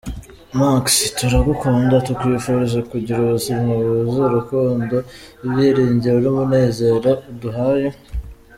Max, turagukunda, tukwifurije kugira ubuzima bwuzuye urukundo, ibyiringiro n’umunezero uduhaye,….